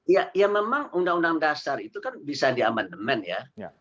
ya memang undang undang dasar itu kan bisa diamandemen ya